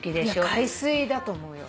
海水だと思うよ。